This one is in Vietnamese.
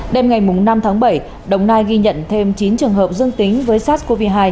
đêm ngày năm tháng bảy đồng nai ghi nhận thêm chín trường hợp dương tính với sars cov hai